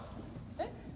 えっ？